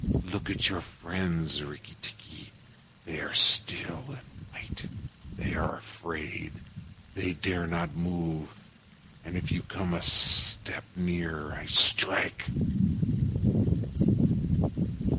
Look at your friends, Rikki tikki. They are still and white. They are afraid. They dare not move, and if you come a step nearer I strike."